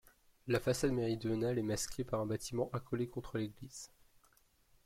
La façade méridionale est masquée par un bâtiment accolé contre l'église.